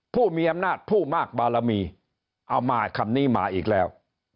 ผู้มีอำนาจผู้มากบารมีเอามาคำนี้มาอีกแล้ว